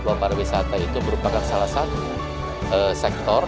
bahwa pariwisata itu merupakan salah satu sektor